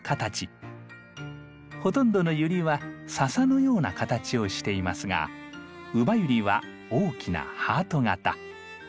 ほとんどのユリは笹のような形をしていますがウバユリは大きなハート形。